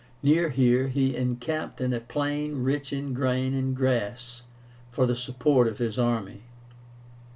Near here he encamped in a plain rich in grain and grass for the support of his army.